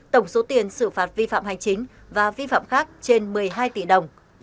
tổng số tiền xử phạt vi phạm hành chính và vi phạm khác trên một mươi hai tỷ đồng